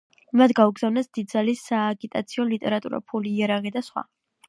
მათ გაუგზავნეს დიდძალი სააგიტაციო ლიტერატურა, ფული, იარაღი და სხვა.